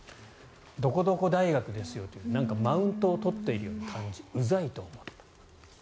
どこどこ大学ですよとマウントを取っているように感じうざいと思った。